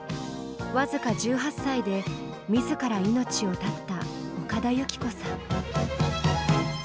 僅か１８歳で自ら命を絶った岡田有希子さん。